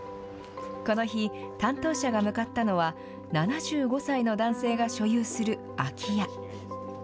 この日、担当者が向かったのは７５歳の男性が所有する空き家。